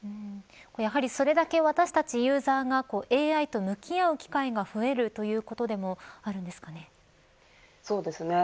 やはりそれだけ私達ユーザーがＡＩと向き合う機会が増えるということでもそうですね。